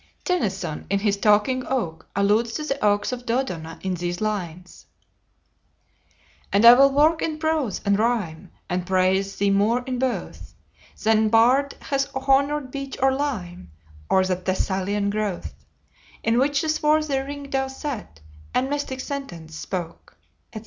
Tennyson, in his "Talking Oak," alludes to the oaks of Dodona in these lines: And I will work in prose and rhyme, And praise thee more in both Than bard has honored beech or lime, Or that Thessalian growth In which the swarthy ring dove sat And mystic sentence spoke; etc.